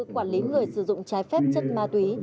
quản lý người sử dụng trái phép chất ma túy